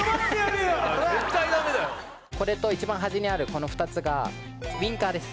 これと一番端にあるこの２つがウィンカーです。